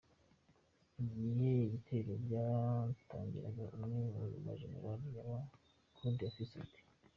Igihe ibitero byatangiraga, umwe mu ba jenerali b'aba Kurde yafize ati:.